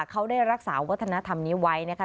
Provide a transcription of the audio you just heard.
เขาได้รักษาวัฒนธรรมนี้ไว้นะคะ